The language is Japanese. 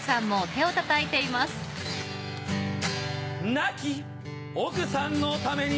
亡き奥さんのために